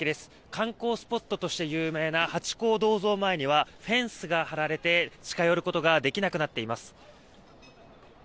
観光スポットとして有名なハチ公銅像前にはフェンスが張られて近寄ることができなくなっています。